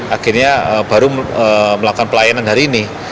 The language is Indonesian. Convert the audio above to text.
akhirnya baru melakukan pelayanan hari ini